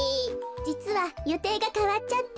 じつはよていがかわっちゃって。